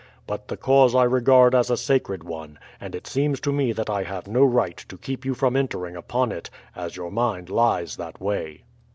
But the cause I regard as a sacred one, and it seems to me that I have no right to keep you from entering upon it, as your mind lies that way."